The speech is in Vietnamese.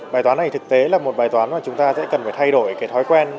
bài toán này thực tế là một bài toán mà chúng ta sẽ cần phải thay đổi cái thói quen